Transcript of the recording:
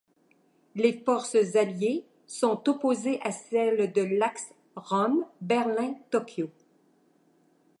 Les forces alliées sont opposées à celles de l'Axe Rome-Berlin-Tokyo.